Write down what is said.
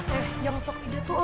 oh yang sok ide tuh